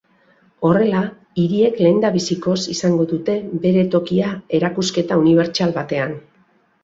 Horrela, hiriek lehendabizikoz izango dute bere tokia erakusketa unibertsal batean.